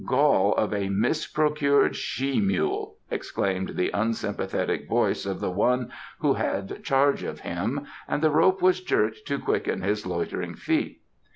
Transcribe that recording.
"Gall of a misprocured she mule!" exclaimed the unsympathetic voice of the one who had charge of him, and the rope was jerked to quicken his loitering feet.